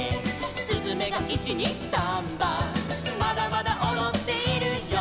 「すずめが１・２・サンバ」「まだまだおどっているよ」